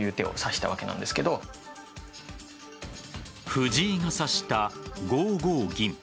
藤井が指した５五銀。